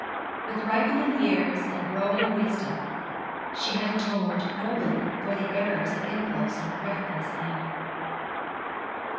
With ripening years and growing wisdom she had atoned nobly for the errors of impulse and reckless anger.